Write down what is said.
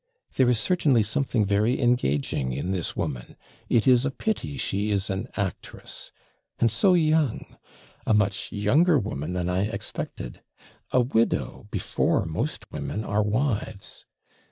There is certainly something very engaging in this woman. It is a pity she is an actress. And so young! A much younger woman than I expected. A widow before most women are wives.